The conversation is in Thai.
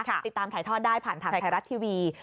ติดตามถ่ายทอดได้ผ่านทางไทยรัฐทีวี